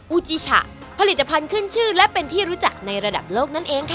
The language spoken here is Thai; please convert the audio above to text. ูจิฉะผลิตภัณฑ์ขึ้นชื่อและเป็นที่รู้จักในระดับโลกนั่นเองค่ะ